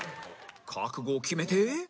覚悟を決めて